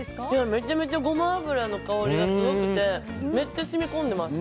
めちゃめちゃゴマ油の香りがすごくてめっちゃ染み込んでます！